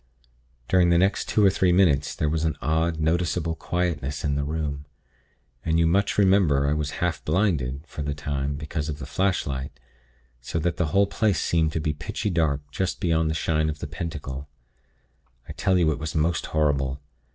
"During the next two or three minutes, there was an odd, noticeable quietness in the room, and you much remember I was half blinded, for the time, because of the flashlight; so that the whole place seemed to be pitchy dark just beyond the shine of the Pentacle. I tell you it was most horrible.